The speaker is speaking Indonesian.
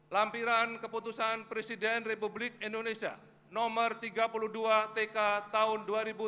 lampiran keputusan presiden republik indonesia nomor tiga puluh dua tk tahun dua ribu tujuh belas